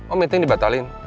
oh meeting dibatalin